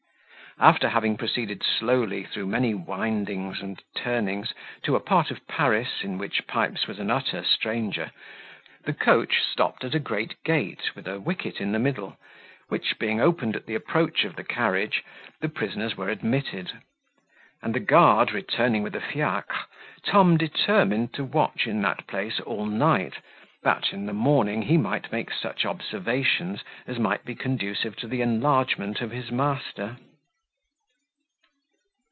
After having proceeded slowly through many windings and turnings to a part of Paris, in which Pipes was an utter stranger, the coach stopped at a great gate, with a wicket in the middle, which, being opened at the approach of the carriage, the prisoners were admitted; and, the guard returning with the fiacre, Tom determined to watch in that place all night, that, in the morning, he might make such observations as might be conducive to the enlargement of his master.